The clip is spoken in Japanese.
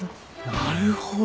なるほど。